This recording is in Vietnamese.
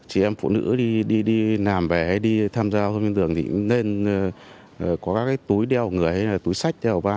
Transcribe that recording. chị em phụ nữ đi nàm về đi tham gia hôm nay thường thì nên có các cái túi đeo người hay là túi sách đeo ba